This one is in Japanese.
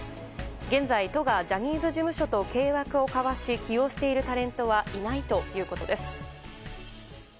現在、都がジャニーズ事務所と契約を交わし起用しているタレントはいないということです。